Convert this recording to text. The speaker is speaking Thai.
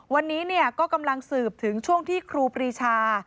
วันนี้ก็กำลังสืบถึงช่วงที่ครูปรีชา